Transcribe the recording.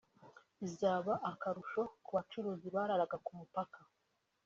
bizaba akarusho ku bacuruzi bararaga ku mupaka